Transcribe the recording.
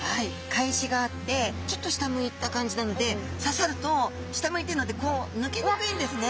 かえしがあってちょっと下向いた感じなので刺さると下向いてるので抜けにくいんですね。